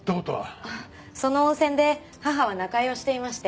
その温泉で母は仲居をしていまして。